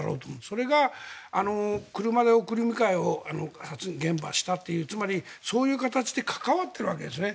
それが車で送り迎えをしたというつまり、そういう形で関わっているわけですね。